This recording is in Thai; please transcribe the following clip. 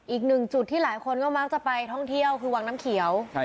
อีกหนึ่งจุดที่หลายคนก็มักจะไปท่องเที่ยวคือวังน้ำเขียว